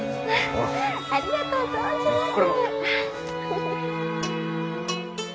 あっありがとう存じます！